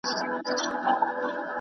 دا مجسمه درنه ده.